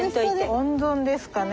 温存ですかね。